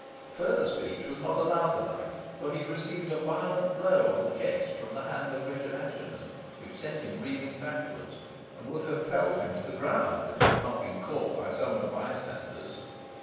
Further speech was not allowed the knight, for he received a violent blow on the chest from the hand of Richard Assheton, which sent him reeling backwards, and would have felled him to the ground if he had not been caught by some of the bystanders.